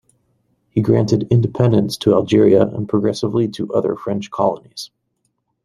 He granted independence to Algeria and progressively to other French colonies.